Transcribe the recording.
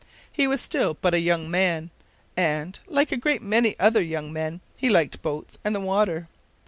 He was still but a young man, and, like a great many other young men, he liked boats and the water.